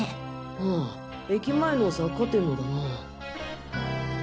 ああ駅前の雑貨店のだな。